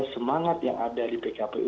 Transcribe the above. semangat yang ada di pkpu